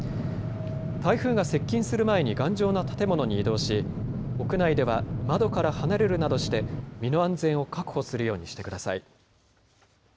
台風が接近する前に頑丈な建物に移動し屋内では窓から離れるなどして身の安全を確保するようにしてください。